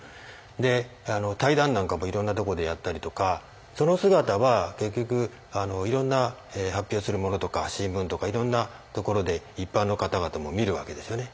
で対談なんかもいろんなとこでやったりとかその姿は結局いろんな発表するものとか新聞とかいろんなところで一般の方々も見るわけですよね。